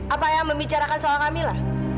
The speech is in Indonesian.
apa eyang membicarakan soal kamila